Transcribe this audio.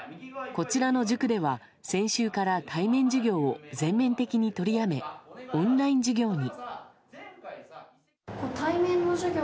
こちらの塾では先週から対面授業を全面的に取りやめオンライン授業に。